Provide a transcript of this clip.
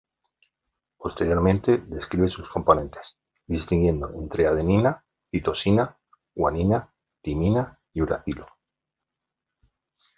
Posteriormente, describe sus componentes, distinguiendo entre adenina, citosina, guanina, timina y uracilo.